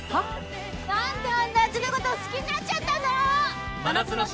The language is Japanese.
「何であんなやつのこと好きになっちゃったんだろ！」